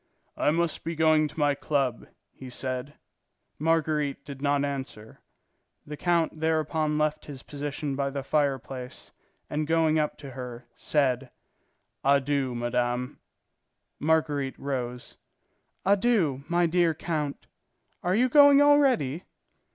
"I must be going to my club," he said. Marguerite did not answer. The count thereupon left his position by the fireplace and going up to her, said: "Adieu, madame." Marguerite rose. "Adieu, my dear count. Are you going already?"